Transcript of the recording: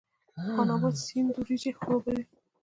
د خان اباد سیند وریجې خړوبوي